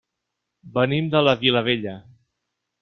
Venim de la Vilavella.